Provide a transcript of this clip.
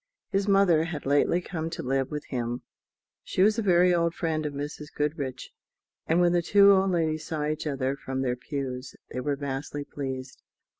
His mother had lately come to live with him; she was a very old friend of Mrs. Goodriche, and when the two old ladies saw each other from their pews, they were vastly pleased.